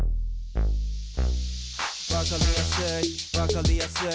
わかりやすいわかりやすい。